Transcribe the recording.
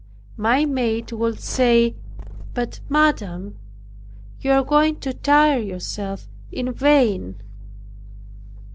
My maid would say, "But, madam, you are going to tire yourself in vain.